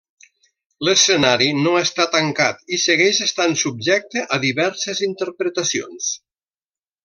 L'escenari no està tancat i segueix estant subjecte a diverses interpretacions.